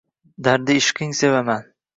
Dardi ishqing sevaman!